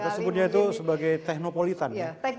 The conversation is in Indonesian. kita sebutnya itu sebagai teknopolitan